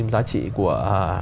giá trị của